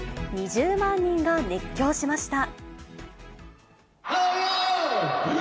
２０万人が熱狂しました。